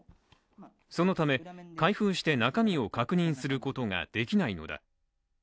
そのため、開封して中身を確認することができないのだ。